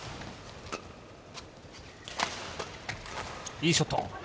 いいショット。